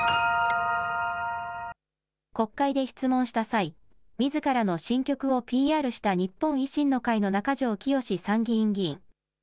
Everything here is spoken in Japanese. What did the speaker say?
国会で質問した際、みずからの新曲をＰＲした日本維新の会の中条きよし参議院議員。